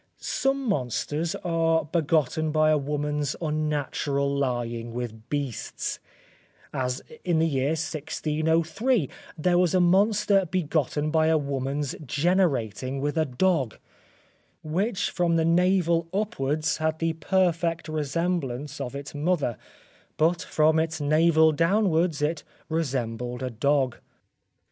Some monsters are begotten by a woman's unnatural lying with beasts; as in the year 1603, there was a monster begotten by a woman's generating with a dog; which from the navel upwards had the perfect resemblance of its mother: but from its navel downwards it resembled a dog.